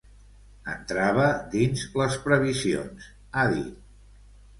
“Entrava dins les previsions”, ha dit.